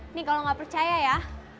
ini kalau nggak percaya ya